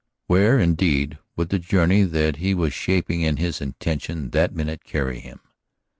Where, indeed, would the journey that he was shaping in his intention that minute carry him?